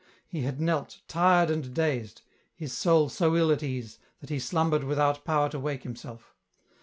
He had knelt, tired and dazed, his soul so ill at ease, that he slumbered without power to wake himself.